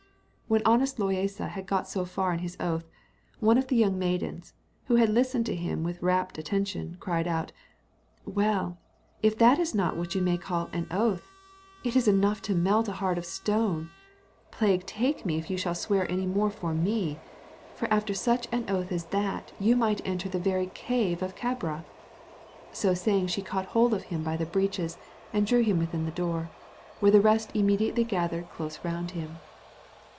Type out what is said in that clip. When honest Loaysa had got so far in his oath, one of the young maidens, who had listened to him with wrapt attention, cried out, "Well, if that is not what you may call an oath! it is enough to melt the heart of a stone. Plague take me if you shall swear any more for me; for after such an oath as that you might enter the very cave of Cabra." So saying, she caught hold of him by the breeches, and drew him within the door, where the rest immediately gathered close round him.